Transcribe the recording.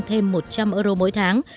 thêm một trăm linh euro mỗi tháng